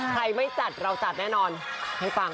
ไม่จัดเราจัดแน่นอนให้ฟัง